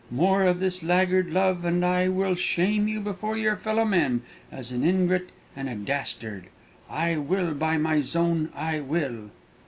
More of this laggard love, and I will shame you before your fellow men as an ingrate and a dastard! I will; by my zone, I will!"